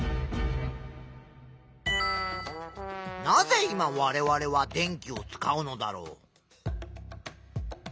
なぜ今われわれは電気を使うのだろう？